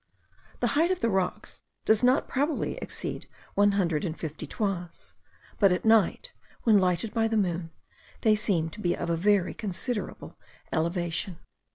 The height of the rocks does not probably exceed one hundred and fifty toises; but at night, when lighted by the moon, they seem to be of a very considerable elevation.